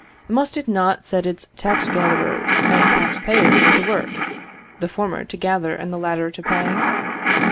must it not set its tax gatherers and tax payers to work, the former to gather and the latter to pay?